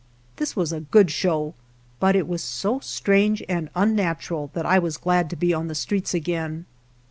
This was a good show, but it was so strange and unnatural that I was glad to be on the streets again.